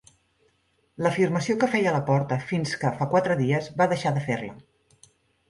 L'afirmació que feia Laporta fins que, fa quatre dies, va deixar de fer-la.